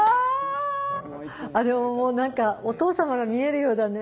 でももう何かお父様が見えるようだね。